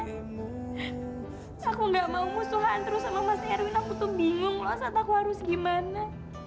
aku tuh bingung loh saat aku harus gimana